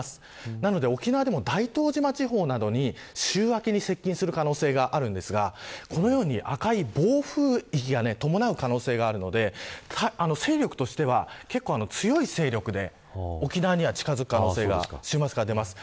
なので沖縄でも大東島地方などに週明けに接近する可能性がありますがこのように赤い暴風域が伴う可能性があるので勢力としては結構強い勢力で沖縄には近づく可能性が週末に出ます。